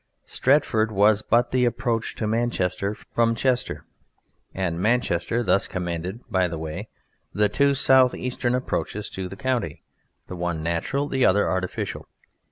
Stretford was but the approach to Manchester from Chester and Manchester thus commanded (by the way) the two south eastern approaches to the county, the one natural, the other artificial.